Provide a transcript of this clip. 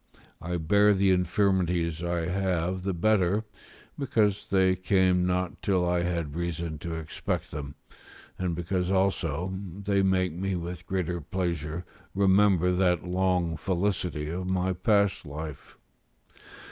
I bear the infirmities I have the better, because they came not till I had reason to expect them, and because also they make me with greater pleasure remember that long felicity of my past life.